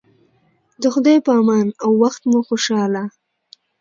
د خدای په امان او وخت مو خوشحاله